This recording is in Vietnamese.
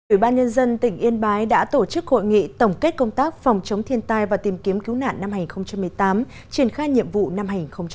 ủy ban nhân dân tỉnh yên bái đã tổ chức hội nghị tổng kết công tác phòng chống thiên tai và tìm kiếm cứu nạn năm hai nghìn một mươi tám triển khai nhiệm vụ năm hai nghìn một mươi chín